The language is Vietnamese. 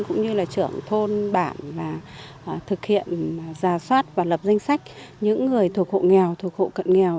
cũng như là trưởng thôn bản và thực hiện giả soát và lập danh sách những người thuộc hộ nghèo thuộc hộ cận nghèo